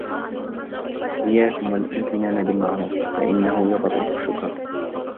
إيَّاكُمْ وَالِامْتِنَانَ بِالْمَعْرُوفِ فَإِنَّهُ يُبْطِلُ الشُّكْرَ